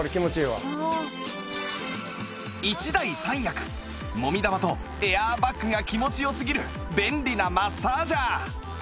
１台３役もみ玉とエアーバッグが気持ちよすぎる便利なマッサージャー